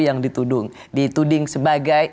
yang dituduh dituding sebagai